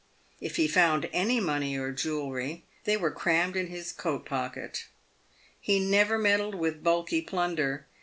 If he found any money or jewellery they were crammed into his coat pocket. He never meddled with bulky plunder.